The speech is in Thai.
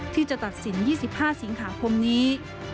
ที่จะตัดสิน๒๕สิงหาคมนี้